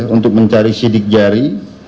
untuk mencari sidik jari